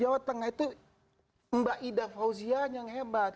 jawa tengah itu mbak ida fauzia yang hebat